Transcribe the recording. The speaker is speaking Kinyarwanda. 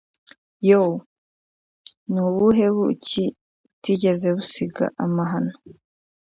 Yoo ni ubuhe buki butigeze busiga amahano